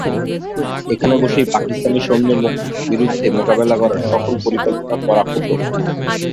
এখানে বসেই পাকিস্তানি সৈন্যের বিরুদ্ধে মোকাবেলা করার সকল পরিকল্পনা করা হতো।